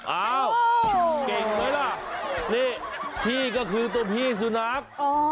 อ้าวเก่งไหมล่ะนี่พี่ก็คือตัวพี่สุนัข